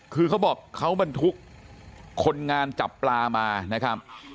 คือเขาบอกเขาบรรทุกคนงานจับปลามานะครับ